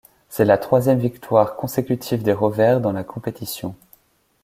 C'est la troisième victoire consécutive des Rovers dans la compétition.